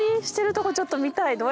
してるとこちょっと見たい。